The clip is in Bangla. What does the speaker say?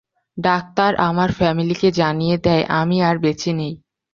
ডাক্তার আমার ফ্যামিলিকে জানিয়ে দেয় " আমি আর বেঁচে নেই।